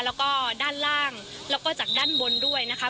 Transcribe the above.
แล้วก็ด้านล่างแล้วก็จากด้านบนด้วยนะคะ